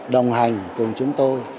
đồng hành cùng chúng tôi